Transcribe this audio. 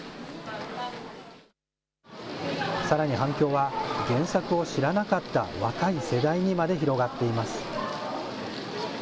さらに反響は、原作を知らなかった若い世代にまで広がっています。